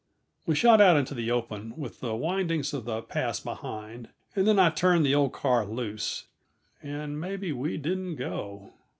We shot out into the open, with the windings of the pass behind, and then I turned the old car loose, and maybe we didn't go!